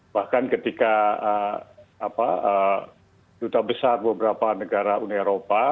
bahkan ketika duta besar beberapa negara uni eropa